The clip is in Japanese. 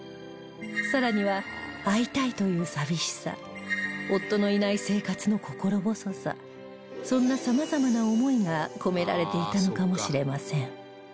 更には会いたいという寂しさ夫のいない生活の心細さそんなさまざまな思いが込められていたのかもしれません